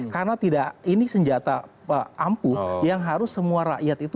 karena ini senjata ampuh yang harus semua rakyat itu